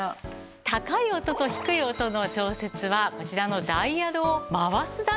高い音と低い音の調節はこちらのダイヤルを回すだけです。